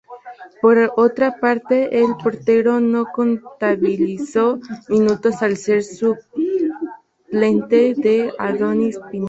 Por otra parte, el portero no contabilizó minutos al ser suplente de Adonis Pineda.